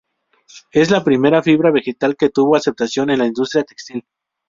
Es la primera fibra vegetal que tuvo aceptación en la industria textil.